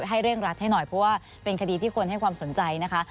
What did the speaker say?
ให้เร่งรัดให้หน่อยเพราะว่าเป็นคดีที่คนให้ความสนใจนะคะ